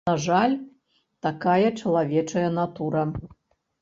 На жаль, такая чалавечая натура.